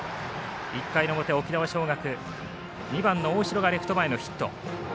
１回の表、沖縄尚学２番の大城がレフト前のヒット。